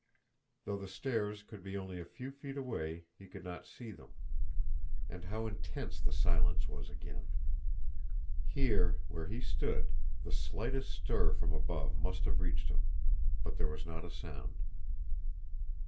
Though the stairs could be only a few feet away, he could not see them. And how intense the silence was again! Here, where he stood, the slightest stir from above must have reached him but there was not a sound.